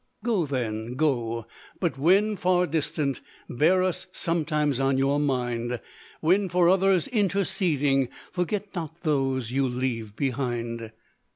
Go then, go! but when far distant, Bear us sometimes on your mind; When for others interceding, Forget not those you leave behind.